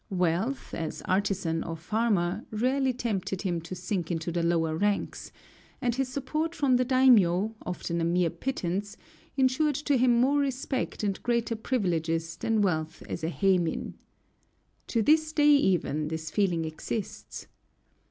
Wealth, as artisan or farmer, rarely tempted him to sink into the lower ranks; and his support from the daimiō, often a mere pittance, insured to him more respect and greater privileges than wealth as a héimin. To this day even, this feeling exists.